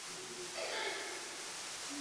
Kila mtu hapa atataka kuwa wa kwanza.